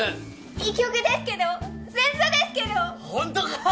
１曲ですけど前座ですけどホントか？